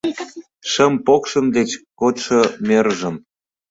Шым покшым деч кодшо мӧрыжым